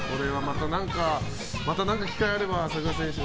また何か機会があれば朝倉選手。